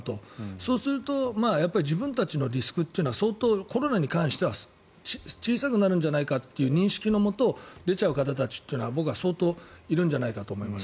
そうすると自分たちのリスクというのは相当コロナに関しては小さくなるんじゃないかという認識のもと出ちゃう方たちというのは僕は相当いるんじゃないかと思います。